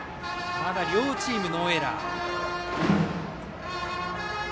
まだ両チームノーエラー。